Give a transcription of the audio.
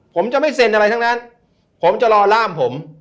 ผมจะไม่เซ็นอะไรทั้งนั้นผมจะรอร่ามผม